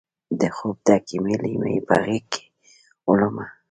د خوب ډکې مې لیمې په غیږکې وړمه